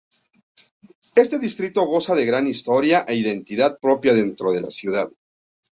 Este distrito goza de gran historia e identidad propia dentro de la ciudad.